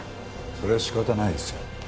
それは仕方ないですよ。